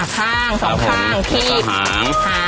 ข้างสองข้างที่หาง